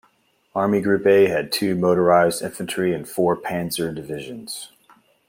Army Group A had two motorised infantry and four "panzer" divisions.